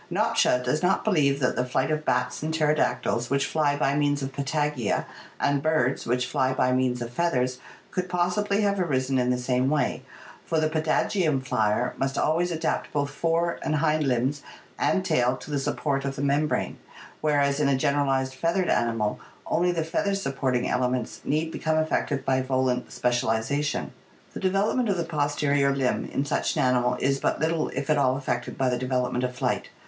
Nopcsa does not believe that the flight of bats and pterodactyls, which fly by means of patagia, and birds, which fly by means of feathers, could possibly have arisen in the same way, for the patagium flier must always adapt both fore and hind limbs and tail to the support of the membrane, whereas in a generalized feathered animal only the feather supporting ele ments need become affected by volant specialization. The de velopment of the posterior limb in such an animal is but little if at all affected by the development of flight.